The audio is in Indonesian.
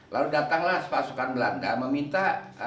lalu datanglah pasukan belanda meminta